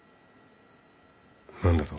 何だと？